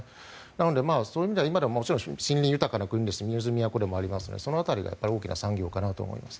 なのでそういう意味では森林豊かな国で水の都でもありますのでその辺りが大きな産業かなと思います。